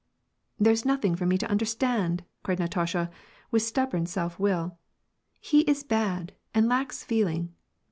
" There's nothing for me to understand," cried Natasha, with stubborn self will ;" he is bad, and lacks feeling.